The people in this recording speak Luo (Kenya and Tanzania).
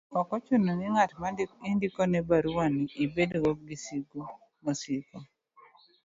ok ochuno ni ng'at ma indiko ne baruani ibed go gi sigu mosiko